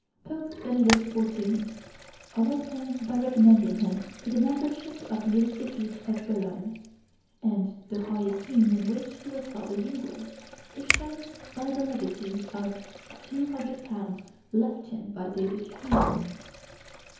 Pope Benedict XIV. honored him by recommending him to the membership of the Institute of Bologne; and the high esteem in which he was held in England is shown by the legacy of £200 left him by David Hume.